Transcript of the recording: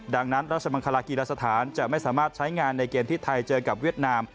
ดังนั้นราชมังคลากีฬาสถานจะไม่สามารถใช้งานในเกมที่ไทยเจอกับเวียดนาม